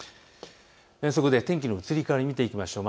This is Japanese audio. そこで天気の移り変わりを見ていきましょう。